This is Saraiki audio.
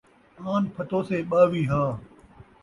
آن پھتوسے ٻاوی ہا